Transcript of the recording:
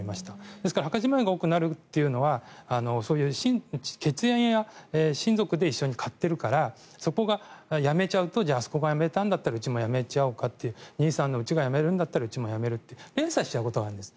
ですから、墓じまいが多くなるというのはそういう血縁や親族で一緒に買ってるからそこがやめちゃうとあそこがやめたんだったらうちもやめちゃおうかって兄さんのうちがやめるんだったらうちもやめるって連鎖しちゃうことがあるんです。